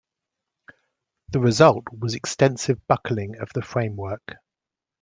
The result was extensive buckling of the framework.